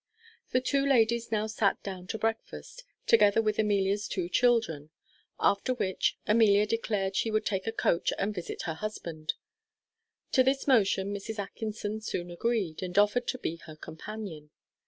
The two ladies now sat down to breakfast, together with Amelia's two children; after which, Amelia declared she would take a coach and visit her husband. To this motion Mrs. Atkinson soon agreed, and offered to be her companion.